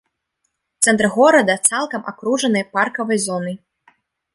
Цэнтр горада цалкам акружаны паркавай зонай.